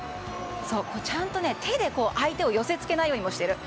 ちゃんと手で相手を寄せ付けないようにしている。